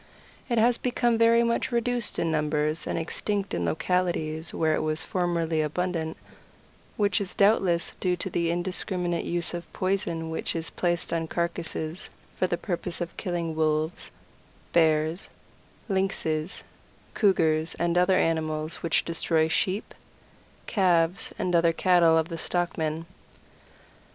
It has become very much reduced in numbers and extinct in localities where it was formerly abundant, which is doubtless due to the indiscriminate use of poison which is placed on carcasses for the purpose of killing Wolves, Bears, Lynxes, Cougars, and other animals which destroy Sheep, Calves, and other cattle of the stockmen.